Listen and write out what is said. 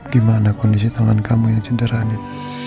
gimana kondisi tangan kamu yang cedera dit